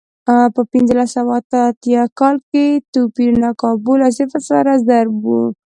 په پنځلس سوه اته اتیا کال کې توپیرونه کابو له صفر سره ضرب و.